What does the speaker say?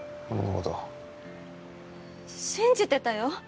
信じてたよ。